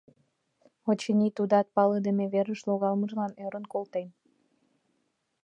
Очыни, тудат палыдыме верыш логалмыжлан ӧрын колтен.